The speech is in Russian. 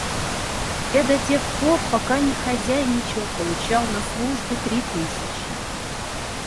Я до тех пор, пока не хозяйничал, получал на службе три тысячи.